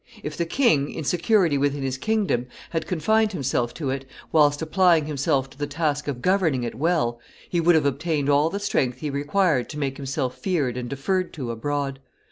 If the king, in security within his kingdom, had confined himself to it, whilst applying himself to the task of governing it well, he would have obtained all the strength he required to make himself feared and deferred to abroad.